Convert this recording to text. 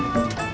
gak ada apa apa